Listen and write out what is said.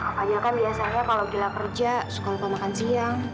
makanya kan biasanya kalau gila kerja suka lupa makan siang